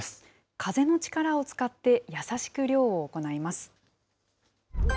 風の力を使って、優しく漁を行います。